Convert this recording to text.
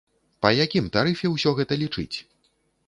Па якім тарыфе ўсё гэта лічыць?